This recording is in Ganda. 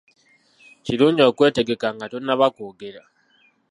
Kirungi okwetegeka nga tonnaba kwogera.